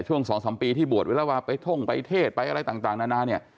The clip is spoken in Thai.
ช่วงสองสามปีที่บวชวิราวะไปท่งไปเทศไปอะไรต่างนานาเนี่ย